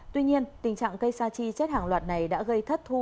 tuy nhiên tình trạng cây sa chi chết hàng loạt này đã gây thất thu